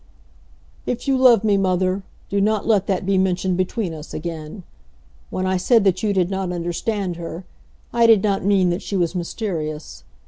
"If you love me, mother, do not let that be mentioned between us again. When I said that you did not understand her, I did not mean that she was mysterious.